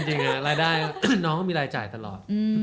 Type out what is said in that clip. จริงรายได้น้องก็มีรายจ่ายตลอด